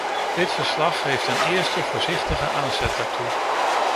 Dit verslag geeft een eerste voorzichtige aanzet daartoe.